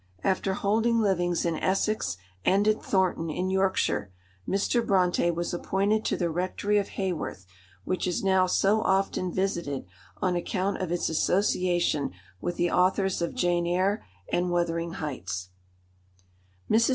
After holding livings in Essex and at Thornton, in Yorkshire, Mr. Brontë was appointed to the Rectory of Haworth, which is now so often visited on account of its association with the authors of Jane Eyre and Wuthering Heights. Mrs.